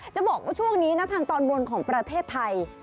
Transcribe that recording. จะบอกว่าช่วงนี้นะทางตอนบนของประเทศไทย